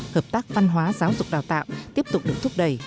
hợp tác văn hóa giáo dục đào tạo tiếp tục được thúc đẩy